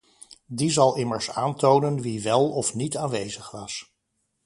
Die zal immers aantonen wie wel of niet aanwezig was.